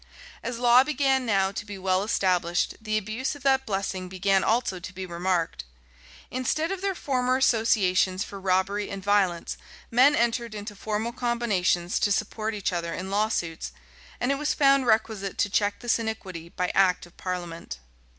As law began now to be well established, the abuse of that blessing began also to be remarked. Instead of their former associations for robbery and violence, men entered into formal combinations to support each other in lawsuits, and it was found requisite to check this iniquity by act of parliament.